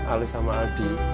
alif sama adi